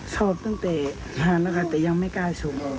ชอบตั้งแต่กายแล้วก็แต่ยังไม่กล้าชุก